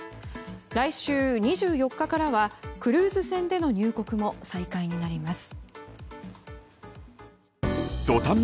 来週２４日からはクルーズ船での入国も再開になります。